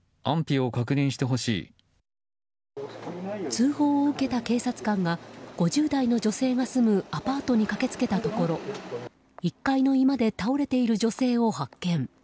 通報を受けた警察官が５０代の女性が住むアパートに駆け付けたところ１階の居間で倒れている女性を発見。